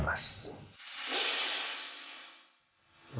saya rasa semuanya sudah cukup jelas